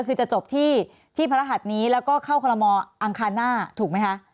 คือจะจบที่พระรหัสนี้แล้วก็เข้าคอลโมอังคารหน้าถูกไหมคะ